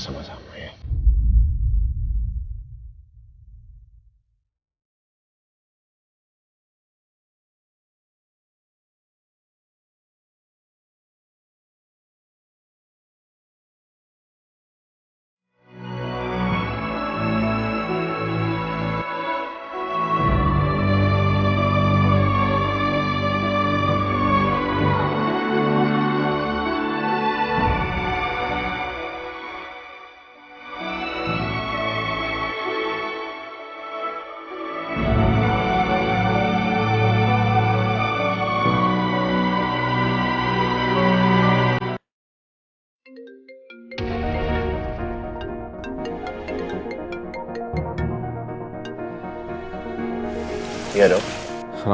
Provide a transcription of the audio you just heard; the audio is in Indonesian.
sama sama lagi seperti dulu